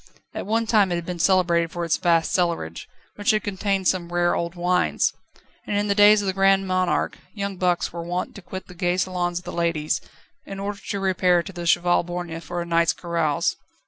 At one time it had been celebrated for its vast cellarage, which had contained some rare old wines. And in the days of the Grand Monarch young bucks were wont to quit the gay salons of the ladies, in order to repair to the Cheval Borgne for a night's carouse.